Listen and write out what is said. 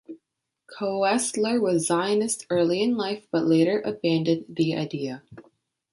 Koestler was Zionist early in life, but later abandoned the idea.